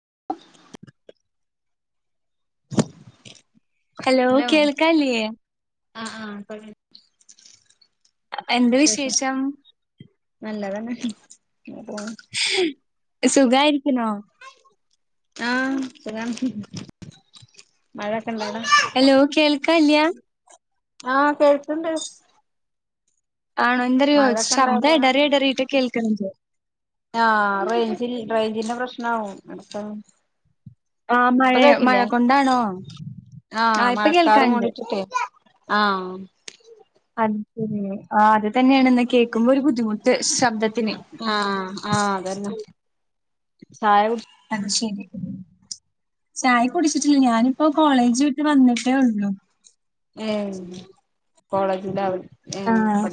[inaudible] Hello കേൾക്കാല്യേ ആഹ് ആഹ് വിശേഷം നല്ലതന്നെ പോ സുഖായിരിക്ക്ന്നോ ആഹ് സുഖാണ് മഴൊക്കെണ്ടോവടെ ഹലോ കേൾക്കാല്യാ ആഹ് കേൾക്ക്ണ്ട് ആണോ എന്തറിയോ മഴൊക്കെ ഇണ്ടോ ശബ്ദം അവിടെന്ന് ഇടറി ഇടറിയിട്ട് കേൾക്ക്ണത് ആഹ് റേയ്ഞ്ച് റേയ്ഞ്ചിന്റെ പ്രശ്നാവും അടുത്ത ആ മഴ ഇപ്പൊ മഴ കഴിക്കില്ല്യേ കൊണ്ടാണോ ആ ഇപ്പൊ മഴക്കാറ് കേൾക്കാണ്ട് മൂടിട്ട്ട്ടെ ആഹ് അത് ശരി ആഹ് അത് തന്നെയാണെന്ന് കേൾക്കുമ്പോ ഒരു ബുദ്ധിമുട്ട് ശബ്ദത്തിന് ആഹ് ആഹ് അതന്നെ ചായ കുട് അത് ശരി ചായ കുടിച്ചിട്ടില്ല ഞാനിപ്പോ കോളേജ് വിട്ട് വന്നിട്ടേ ഉള്ളു. ഏ കോളേജിലാ ആഹ്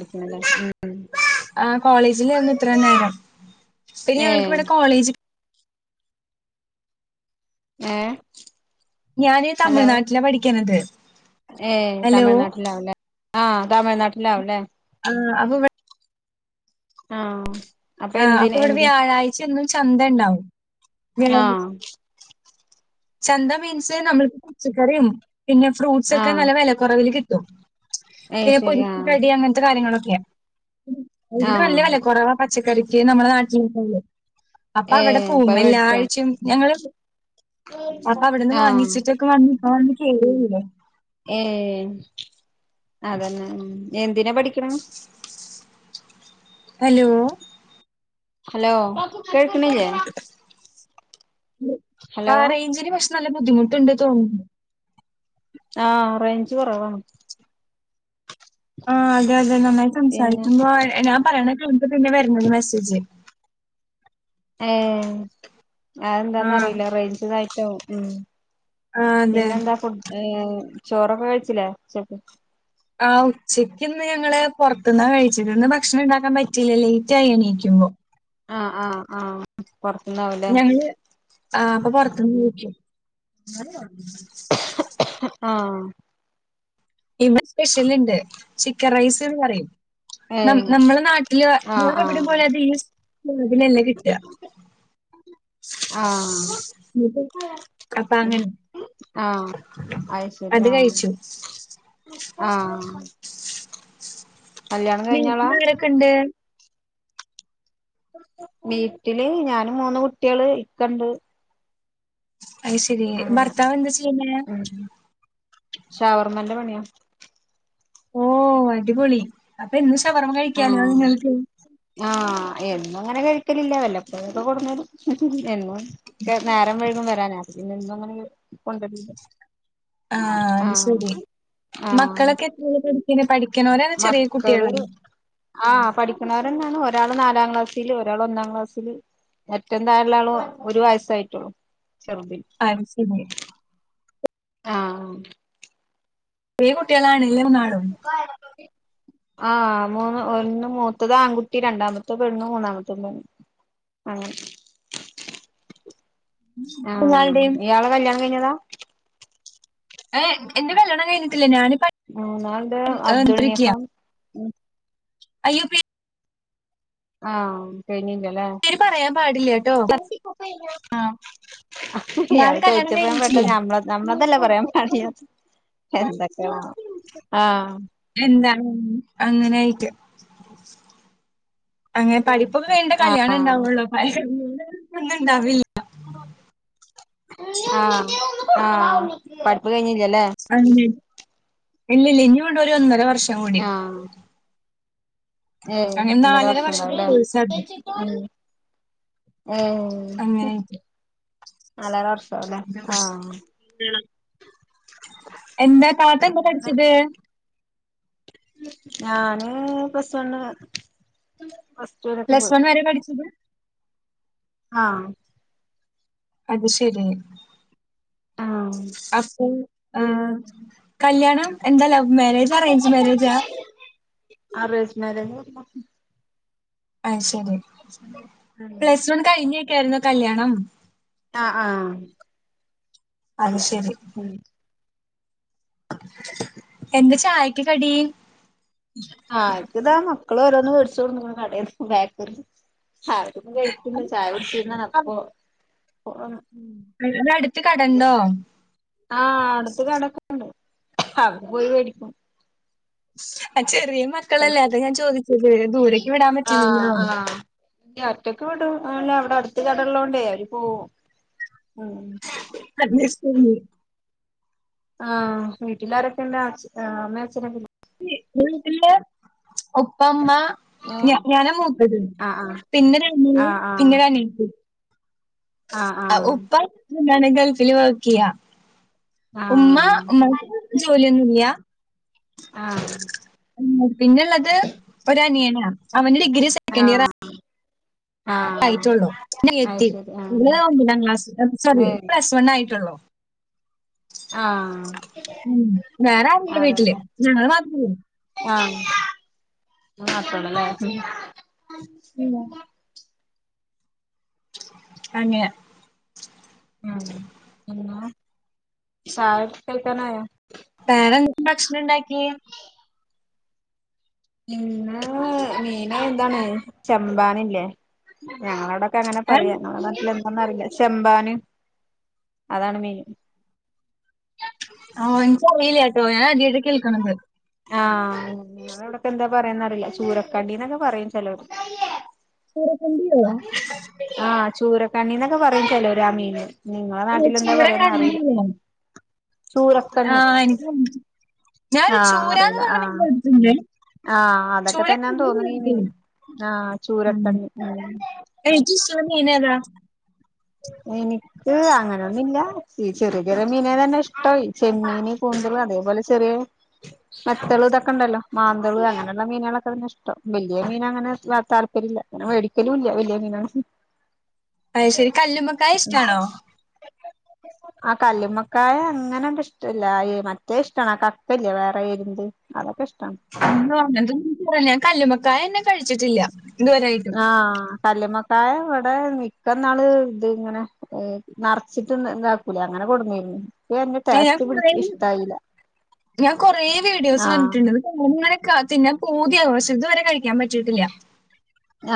ആ കോളേജിലെര്ന്നു ഇത്രയും നേരം പിന്നെ ഞങ്ങൾക്ക് ഏഹ് ഇവിടെ കോളേജ് ഏ ഞാന് തമിഴ്നാട്ടിലാ പഠിക്കണത്. ഏ ഹലോ തമിഴ്നാട്ടിലാവുല്ലേ ആ തമിഴ്നാട്ടിലാവുംല്ലേ. ആഹ് അപ്പൊ ഇവ ആഹ് അപ്പൊ ആഹ് എന്തിന് ഇവിടെ എന്തേ വ്യാഴാഴ്ച എന്നും ചന്ത ഇണ്ടാവും. വ്യാഴാഴ്ച ആഹ് ചന്ത മീൻസ് നമ്മൾക്ക് പച്ചക്കറിയും പിന്നെ ഫ്രൂട്ട്സ് ഒക്കെ ആഹ് നല്ല വിലക്കുറവില് കിട്ടും. ഏയ് പിന്നെ ശരി പൊരിച്ച ആഹ് കടി അങ്ങനത്തെ കാര്യങ്ങളൊക്കെയ ഇവിടെ നല്ല ആഹ് വില കൊറവ പച്ചക്കറിക്ക് നമ്മുടെ നാട്ടിലന്നല്ലേ അപ്പൊ അവിടെ ഏഹ് ഇപ്പ പോകും വേടിച്ചാ എല്ലാഴ്ചയും ഞങ്ങള് അപ്പൊ അവിടെന്ന് ആഹ് വാങ്ങിച്ചിട്ടൊക്കെ വന്ന് ഇബടെ വന്ന് കേടേരൂല്ലേ. ഏഹ് അതന്നെ എന്തിനാ പഠിക്കണെ? ഹലോ ഹലോ കേക്ക്ണില്ലേ? ആ ഹലോ റേഞ്ചിന് പക്ഷെ നല്ല ബുദ്ധിമുട്ടുണ്ട് തോന്നുന്നു. ആഹ് റേഞ്ച് കൊറവാണ്. ആഹ് അതെ അതെ നന്നായി പിന്നെ സംസാരിക്കുമ്പോ ഞാൻ പറയണ കയിഞ്ഞിട്ട് പിന്നെ വർണത് മെസ്സേജ് ഏ, ആഹ് അതെന്താന്നറിയില്ല റേഞ്ച്തായിട്ടാവും. ഉം ആഹ് അതെ. പിന്നെ എന്താ ഫുട് ഏ ചോറൊക്കെ കഴിച്ചില്ലേ ഉച്ചക്ക് ആഹ് ഉച്ചയ്ക്ക്ന്ന് ഞങ്ങള് പൊറത്ത്ന്നാ കഴിച്ചത് ഇന്ന് ഭക്ഷണം ഇണ്ടാക്കാൻ പറ്റില്ല ലേറ്റ് ആയി എണീക്കുമ്പോ ആഹ് ആഹ് ആഹ് പുറത്തുന്നാവൂലേ ആഹ് അപ്പൊ പുറത്ത്ന്ന് കഴിക്കും. ആഹ് ഇവ സ്പെഷ്യൽ ഇണ്ട് ചിക്കൻ റൈസ്ന്ന് പറയും. ന ഏഹ് നമ്മളെ നാട്ടില് ആഹ് വേറെ എവിടേലും ആഹ് പോയാൽ ഇത് [unintelligible] കിട്ട [unintelligible] ആഹ് അപ്പ അങ്ങനെ ആഹ് അയിശരി അത് ആഹ് കഴിച്ചു ആഹ് കല്യാണം കഴിഞ്ഞാളാ വീട്ടിലാരൊക്കെ ഇണ്ട്? വീട്ടില് ഞാനും മൂന്ന് കുട്ട്യാള് ഇക്കണ്ട് അയ്ശരി അങ്ങനെ ഭർത്താവ് എന്താ ചെയ്യുന്നേ? ഷവർമന്റെ പണിയാ ഓ അടിപൊളി അപ്പൊ എന്നും ശവർമ്മ കഴിക്കാലോ ആഹ് നിങ്ങൾക്ക് ആഹ് എന്നും ങ്ങനെ കഴിക്കലില്ല വല്ലപ്പോഴൊക്കെ കൊട്ന്നേരും എന്നും ഇക്ക നേരം വഴ്കും വരാന് അത് പിന്നെ എന്നും അങ്ങനെ കൊണ്ടുവരലിണ്ട് ആഹ് അത്ശരി ആഹ് മക്കളൊക്കെ എത്രീലാ പഠിക്കണെ പഠിക്കണോരാണോ ചെറിയ മക്കള് കുട്ട്യാളാ? ആഹ് പഠിക്കുണോരന്നാണ് ഒരാള് നാലാം ക്ലാസ്സില് ഒരാള് ഒന്നാം ക്ലാസ്സില് ഏറ്റവും താഴള്ള ആള് ഒരു വയസ്സായിട്ടുള്ളൂ ചെറുതിന് അത് ശരി ആഹ് റ്യേ കുട്ട്യാളാണ് ല്ലേ മൂന്നാളും ആഹ് മൂന്ന് ഒന്ന് മൂത്തത് ആൺകുട്ടി രണ്ടാമത്തെ പെണ്ണും മൂന്നാമത്തെ പെണ്ണ് അങ്ങനെ ആഹ് നിങ്ങളുടെയും ഇയാള കല്യാണം കഴിഞ്ഞതാ. ഏ എന്റെ കല്യാണം കഴിഞ്ഞട്ടില്ല ഞാനി മൂന്നാൾണ്ട് അബ്ദുൾ നിഹാം ഉ. അയ്യോ പി ആഹ് കഴിഞ്ഞില്ലല്ലേ. പേര് പറയാൻ പാടില്ല കേട്ടോ ആ. ഇയാള് ചോദിച്ചപ്പ പെട്ടനമ്മള നമ്മളതല്ലേ പറയാൻ പാടില്ലതെ എന്തൊക്കെയ ആഹ് എന്താ അങ്ങനെ ആയിട്ട്. അങ്ങനെ പഠിപ്പൊക്കെ കഴിഞ്ഞിട്ടെ കല്യാണം ആഹ് ഇണ്ടാവുള്ളു. [unintelligible] ഒന്നണ്ടാവില്ല. ആഹ് ആഹ് പഠിപ്പ് കഴിഞ്ഞില്ലല്ലേ. [unintelligible] ഇല്ല ഇല്ല ഇനി ഒണ്ട് ഒരു ഒന്നര വർഷം. കൂടി ആഹ് ഏഹ് അങ്ങനെ ഒന്നര നാലര വർഷം വർഷത്തെ ഉണ്ടാവല്ലേ. കോഴ്സ് അത് അങ്ങനെ മ്മ്ഹ് ആയിട്ട്. നലര വർഷം അല്ലേ ആ. എന്താ കാലത്ത് എന്താ കടിച്ചത്. ഞാന് പ്ലസ് വൺ. പ്ലസ് വൺ വരെ പഠിച്ചത്. ആഹ്. അത് ശരി ആഹ് അപ്പൊ. ആഹ് കല്യാണം എന്താ ലവ് മാരേജ് അറേഞ്ച് മാരേജാ. അറേഞ്ച് മേരേജ് ആയിരുന്നു. അത് ശരി പ്ലസ് വൺ കഴിഞ്ഞൊക്കെ ആയിരുന്ന കല്യാണം. ആഹ് അത് ശരി. ആഹ്. എന്താ ചായക്ക് കടീ. ആ ഏക്ക് ഇതാ മക്കള് ഓരോന്ന് മേടിച്ച് കൊടുക്കുന്ന് കടേന്ന് ബേക്ക് ആഹാരം കഴിക്കുന്നു ചായ കുടിച്ചിട്ട് [unintelligible] വീടിനടുത്ത് കടണ്ടോ. ആ അടുത്ത് കടക്കണ്ട് അവര് പോയി മേടിക്കും. ആ ചെറിയ മക്കളല്ലെ പൈസ അത് ഞാൻ ചോദിച്ചത്, ദൂരക്ക് വിടാൻ പറ്റില്ലല്ലോ. അടുത്തൊക്കെ വിടും അവിടെ അടുത്ത് കടള്ളതോണ്ടേ അവര് പോവും. ഉം [unintelligible] ആ വീട്ടിലാരൊക്കെ ഉണ്ട് അമ്മ, അച്ഛനൊക്കെ വീട്ടില് ഉപ്പ ഉമ്മ ഏഹ് ഞാന്‌ മൂത്തത്. ആഹ് പിന്നെ ഒരു ആഹ് അനിയനും ആഹ് പിന്നെ ആഹ് ഒരു അനിയത്തിയും. ആഹ് ആഹ് ഉപ്പന്താണ് ഗൾഫില് വർക്ക് ചെയ്യാ ഉമ്മ ആഹ് ഉമ്മക്ക് ജോലിയൊന്നുമില്ലാ. ആഹ്. പിന്നെള്ളത് ഒരു അനിയനാ അവന് ഡിഗ്രി സ ആഹ് ആഹ് ആയിട്ടുള്ളു അത് അനിയത്തി ശരി ആഹ് പിന്നെ ഒൻപതാം ക്ലാസ്സ്‌ ആയിട്ടുള്ളു ഏഹ് പ്ലസ്‌ വൺ ആയിട്ടുള്ളു ആഹ് ഉ വേറെ ആരൂല്ല വീട്ടില് ഞങ്ങള് മാത്രയുള്ളു. ആ മാത്രമുള്ളല്ലേ. ഉള്ളൂ. അങ്ങെ. ഉ പിന്നെ [unintelligible] കഴിക്കാനായോ. വേറെ എന്തെങ്കിലും ഭക്ഷണം ഉണ്ടാക്കി. ഇന്ന് മീന് എന്താണ് ചെമ്പാനില്ലേ ഞങ്ങളവിട. അങ്ങനെ ഏ? പറയാ നമ്മുടെ നാട്ടിൽ എന്താന്ന് അറിയില്ല. ചെമ്പാന് അതാണ് മീൻ. ആഹ് എനിക്കറിയില്യാട്ടോ ഞാൻ ആദ്യായിട്ടാ കേൾക്കണത് ആഹ് നിങ്ങളവിടൊക്കെ എന്താ പറയാന്ന അറിയില്ല ചൂരക്കണ്ണിന്നൊക്കെ പറയും ചലോര് ചൂരകണ്ടിയോ? ആഹ് ചൂരക്കണ്ണിന്നൊക്കെ പറയും ചിലൊരാ മീനിന് ചൂരക്കണ്ണിയില്ലേ ചൂരക്കണ്ണി ആഹ് എനിക്ക് ഞാനൊരു ആഹ് ചൂരാന്ന് അറിയില്ല പറയണ മീൻ ആഹ് കേട്ടിട്ടുണ്ട് ആഹ് അതൊക്കെ തന്നെയാന്ന് ചൂരക്കണ്ണി തോന്നണീ മീൻ കേട്ടിട്ടില്ല. ആഹ് ചൂരക്കണ്ണി മ് ഏറ്റോം ഇഷ്ടോള്ള മീനേതാ എനി ക്ക് അങ്ങനെയൊന്നുല്ല ഈ ചെറിയ ചെറിയ മീനെ തന്നെ ഇഷ്ടം, ഈ ചെമ്മീന് കൂന്തള് അതേപോലെ ചെറിയെ മെത്തള് ഇതൊക്കെ ണ്ടല്ലോ, മാന്തൾ അങ്ങനെയുള്ള മീനുകളൊക്കെ തന്നെ ഇഷ്ടം, വലിയ മീന് അങ്ങനെ താല്പര്യല്ല ന്നെ വേടിക്കലുല്ല. വല്ല്യ മീ [unintelligible] നൊ അഹ് ശരി. കല്ലുമ്മ [inaudible] ആഹ് കല്ലുമ്മക്കായ അങ്ങനെണ്ട് ഇഷ്ടല്ല. മറ്റേ ഇഷ്ടണ് ആ കപ്പ്ല്ലേ വേറെ എരുന്ത്. അതൊക്ക ഇഷ്ട്ടാണ്. [inaudible] ഞാൻ കല്ലുമക്കായ എന്നെ കഴിച്ചിട്ടില്ല ഇതുവരായിട്ടും ആഹ് കല്ല്മക്കായ ഇവിടെ മിക്കന്നാള് ഇത് ഇങ്ങനെ മ് നറച്ചിട്ട് ഇതാക്കൂലെ അങ്ങനെ കൊടുന്നയാരിന്ന് [unintelligible] ഞാൻ കൊറേ വീഡിയോസ് ആഹ് കണ്ടിട്ടുണ്ട് [unintelligible] തിന്നാൻ പൂതിയാവണ് പക്ഷേ ഇത് വരെ കഴിക്കാൻ പറ്റിയിട്ടില്ല.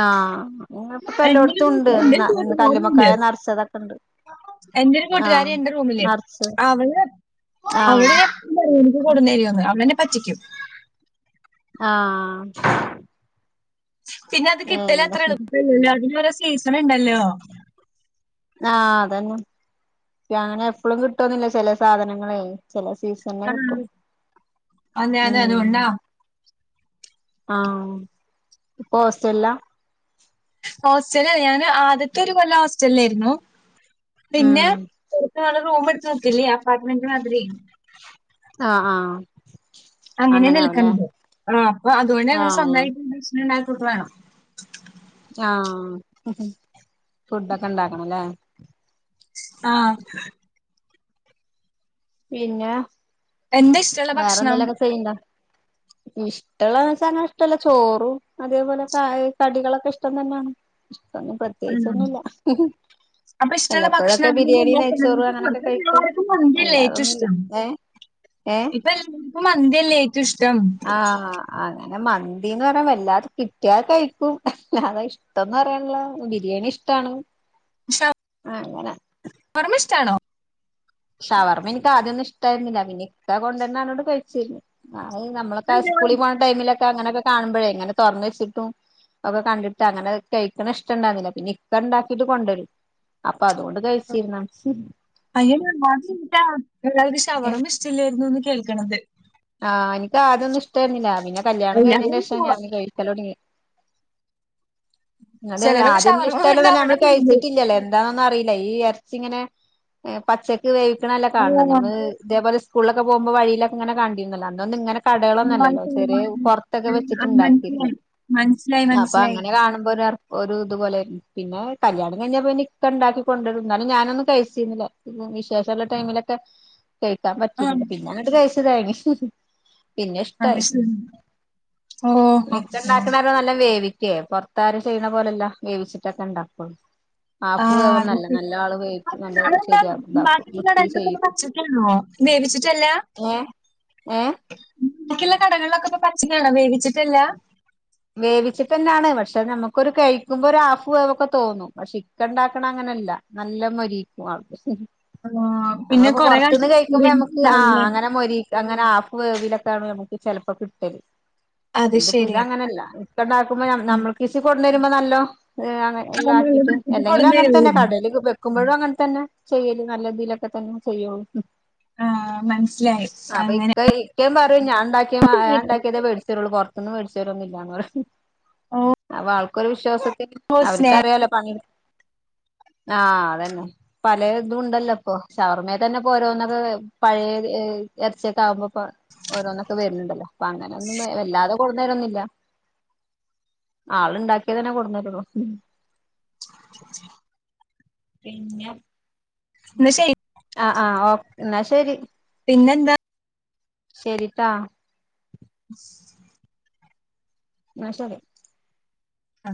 ആഹ്, [unintelligible] എന്റെ ഒരു ഇപ്പപ്പല്ലോട്ത്തുംണ്ട്. എന്റെ ഒരു [unintelligible] കല്ലുമ്മക്കായ നറച്ചതൊക്കെണ്ട്. എന്റെരു കൂട്ടുകാരി എന്റെ റൂമില്. അവള് ആഹ് അവളുടെ [inaudible] എനിക്ക് കൊടുന്നേരുന്ന് അവളന്നെ പറ്റിക്കും. ആ പിന്നെ അത് എന്താ കിട്ടലത്ര എളുപ്പല്ലല്ലോ. അതിന് ഇവടെ സീസണ്‌ണ്ടല്ലോ. ആഹ് അതന്നെ. അങ്ങനെ എപ്പോളും കിട്ടുവൊന്നില്ല ചെല സാധനങ്ങളെ ചെല സീസണിലേ കിട്ടോള്ളൂ, ആഹ് ഞാൻ ഉം അതുകൊണ്ടാ. ആഹ്. ഇപ്പോ ഹോസ്റ്റല്‌ലാ? ഹോസ്റ്റലല്ല, ഞാന് ആദ്യത്തെ ഒരു കൊല്ലം ഹോസ്റ്റലിലായിരുന്നു. പിന്നെ ഉം [unintelligible] റൂം എടുത്ത് നിർത്തില്ലേ അപ്പാർട്ട്മെന്റ് മാതിരി. ആ. ആ. അങ്ങനെ നിൽക്കൺത്. ആഹ് അഹ് അത് കൊണ്ടാ ഞങ്ങള് ആഹ് സ്വന്തായി [unintelligible] ആഹ് ഫുഡൊക്കെ ഉണ്ടാക്കണം അല്ലേ. ആഹ് പിന്നെ, എന്താ ഇഷ്ടള്ള ഭക്ഷണം? വേറെന്തെലൊക്കെ ചെയ്യ്ണ്ടോ? ഇഷ്ടള്ള ന്ന് വച്ചാ അങ്ങനെ ഇഷ്ടല്ല, ചോറും അതേപോലെ ചായ കടികളൊക്കെ ഇഷ്ടം തന്നെയാണ്. അ പ ആഹ് അപ്പൊ ഇഷ്ടള്ള ഭക്ഷണ വല്ലപ്പോഴൊക്കെ [inaudible] ബിരിയാണി നെയ്ച്ചോറ് അങ്ങനൊക്കെ കഴിക്കും ഇപ്പലാർക്കും മന്തി ല്ലേ അല്ലാതൊന്നുല്ല ഏറ്റഷ്ടം, ഏഹ് ഏഹ് ഇപ്പം എല്ലാവർക്കും മന്തിയല്ലേ ഏറ്റം ഇഷ്ടം. ആഹ്,, അങ്ങനെ മന്തിന്ന് പറയാ വല്ലാതെ കിട്ടിയാ കഴിക്കും അ [unintelligible] ല്ലാതെ ഇഷ് ത്തന്ന് റിയില്ല ബിരിയാണി ഇഷ്ടാണ്. [unintelligible] അങ്ങനെ വർമ ഇഷ്ടണോ ഷവർമ്മ എനിക്ക് ആദ്യന്നും ഇഷ്ടായിരുന്നില്ല പിന്നെ ഇക്കാ കൊണ്ടര് നായോണ്ട് കഴിച്ച്. അത് നമ്മളൊക്കെ അതെന്താ? സ്കൂളിൽ പോണ ടൈമിലൊക്കെ അങ്ങനെയൊക്കെ കാണുമ്പോഴേ ഇങ്ങനെ തുറന്ന വെച്ചിട്ടും. [unintelligible] കണ്ടിട്ട് അങ്ങനെ കഴിക്കണ ഇഷ്ടണ്ടാന്നില്ല പിന്നെ ഇക്ക ഉണ്ടാക്കിട്ട് കൊണ്ടരും. അപ്പൊ അതുകൊണ്ട് കഴിച്ചിരുന്ന [unintelligible] [unintelligible] ഷവർമ ഇഷ്ടില്ലായിരുന്നുന്ന് കേൾക്കണത്. ആ എനിക്ക് ആദ്യം ഒന്നും ഇഷ്ടമായിരുന്നില്ല, പിന്നെ കല്യാണം എല്ലാവരും കഴിഞ്ഞേന് ശേഷമാ ഷവ ഞാൻ കഴിക്കല് തുടങ്ങിയേ. ന്നട്ട് ചെലരൊക്കെ ആദ്യം ഒന്നും ഷവർമ്മ ഇഷ്ടല്ലന്ന് കണ്ടാ പറഞ്ഞാ തന്നെ അവിടെ നമ്മള് വീഴും. കഴിച്ചിട്ടില്ലല്ലോ. എതാന്നൊന്നും അറിയില്ല ഈ ഇറച്ചിങ്ങനെ പച്ചക്ക് വേവിക്കണല്ലേ കാണണ ആ ഞമ്മള്. ഇതേപോെലെ സ്കൂളിലൊക്കെ പോകുമ്പോ വഴി ലൊക്കെ ഇങ്ങനെ കണ്ടിരുന്നലല്ലോ അന്നൊന്നും ഇങ്ങനെ കടകളൊന്നല്ലല്ലോ, ചെറിയ പുറത്തൊക്കെ വെച്ചിട്ട് മനസ്സിലായി ഉണ്ടാക്കിയിരുന്നു, മനസ്സിലായി. മനസ്സിലായി അപ്പൊ മനസ്സിലായി. അങ്ങനെ കാണുമ്പ ഒരു ഇതുപോലെ, പിന്നെ കല്യാണം കഴിഞ്ഞപോ, ഇക്ക ഉണ്ടാക്കി കൊണ്ടുവരും എന്നാലും ഞാനൊന്ന കഴിച്ചില്ല. വിശേഷമുള്ള ടൈമിലൊക്കെ കഴിക്കാൻ ആ പറ്റില്ല, പിന്നെ അങ്ങോട്ട് കഴിച്ച തുടങ്ങി, പിന്നെ അത് ഇഷ്ടമായി. ശരി. ഓഹ് പിന്നെ ഇക്ക ഉണ്ടാകുന്ന നല്ല വേവിക്കേ പൊറത്താര് ചെയ്യണ പോലെല്ല, വേവിച്ചിട്ടൊക്കെ ഇണ്ടാക്കൂ ള്ളു. ആഹ് വേവിച്ച് നല്ല ശരിയാക്കും ഇതാക്കും വൃത്തി ചെയ്യും [unintelligible] വേവിച്ചിട്ടല്ല. ഏ ഏ. ബാക്കിയുള്ള കടകളിലൊക്കെ ഇപ്പൊ പച്ചക്കാണോ വേവിച്ചിട്ടല്ല. വേവിച്ചിട്ട് തന്നെയാണ് പക്ഷെ നമുക്കൊ ഒരു കഴിക്കുമ്പോ ഒരു ഹാഫ് വേവൊക്കെ തോന്നും. പക്ഷെ ഇക്കണ്ടാക്കണ അങ്ങനെയല്ല നല്ല മൊരിക്കും. ആഹ് പിന്നെ നമ്മളിപ്പോ കൊറെ പുറത്തുന്ന് കാലത്തെ കഴിക്കുമ്പ എക്സ്പീരിയൻസ് നമ്മുക്ക് ആ ഉണ്ടാവുംല്ലേ അങ്ങനെ മൊരി ഇതങ്ങനെ ഹാഫ് വേവിലൊക്കെയാണ് നമുക്ക് ചിലപ്പോ കിട്ടല്, അത് ഇതിപ്പോ ഇത് ശരി അങ്ങനെയല്ല. ഇക്ക ഉണ്ടാക്കുമ്പോ ഉം. നമ്മൾ കിഷി കൊണ്ടു തരുമ്പോ നല്ലോ അനെ. അത് എല്ലാം നല്ല ആക്കീട്ട്, വൃത്തിക്ക് അല്ലെങ്കില് കൊടുന്ന് അങ്ങനെ തന്നെ തരുവല്ലോ കടല നിക്കുമ്പോഴും അങ്ങനെ തന്നെ ചെയ്യല് നല്ല രീതിലൊക്കെ തന്നെ ചെയ്യൂ. ആഹ് മനസ്സിലായി അപ്പൊ അങ്ങനെ ഇക്ക ഇക്കേം പറയും ഞാൻ ഉണ്ടാക്കിയ ഞ ഉണ്ടാക്കിയതേ മേടിച്ച് തരുള്ളു എന്ന് പറയും. എന്ന മേടിച്ച തരന്നില്ലാന്ന് അവ ആൾക്കൊരു വിശ്വാസത്തി ഓഹ് സ്നാക്സ് അവർക്ക്റിയാലോ പണി ആ അതന്നെ. പലേ ഇതും ഉണ്ടല്ലോ ഇപ്പൊ ഷവർമ്മയൽ തന്നെ ഓരോന്നൊക്കെ പഴയ ഇറച്ചിയൊക്കെ ആകുമ്പോ. ഓരോന്നൊക്കെ വരുന്നുണ്ടല്ലോ അപ്പൊ അങ്ങനെ ഒന്നും വല്ലാതെ കൊടുന്നേരൊന്നുമില്ല. ആൾ ഉണ്ടാക്കിയേ തന്നെ കൊടുന്നേരുള്ളൂ. പിന്നെ. ന്നാ ശരി. ആ ആഹ് ഓ എന്നാ ശരി. പിന്നെന്താ. ശരിട്ടാ. [unintelligible] ന്നാ ശരി. ആ.